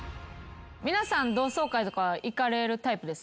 皆さん同窓会とかは行かれるタイプですか？